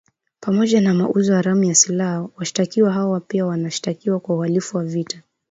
Pamoja na mauzo haramu ya silaha, washtakiwa hao pia wanashtakiwa kwa uhalifu wa vita.